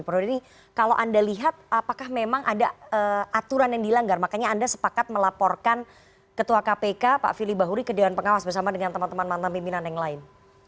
prof deddy kalau anda lihat apakah memang ada aturan yang dilanggar makanya anda sepakat melaporkan ketua kpk pak fili bahuri ke dewan pengawas bersama dengan teman teman mantan pimpinan yang lain